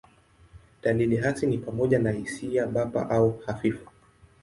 Dalili hasi ni pamoja na hisia bapa au hafifu.